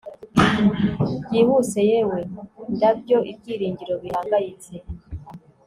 Byihuse yewe ndabyo ibyiringiro bihangayitse